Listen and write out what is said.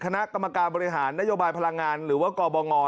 คณะกรรมการบริหารนโยบายพลังงานหรือว่ากบง